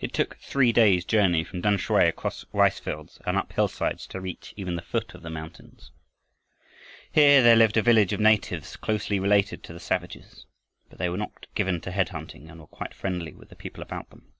It took three days journey from Tamsui across rice fields and up hillsides to reach even the foot of the mountains. Here there lived a village of natives, closely related to the savages. But they were not given to head hunting and were quite friendly with the people about them.